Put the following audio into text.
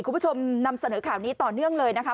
คุณผู้ชมนำเสนอข่าวนี้ต่อเนื่องเลยนะคะ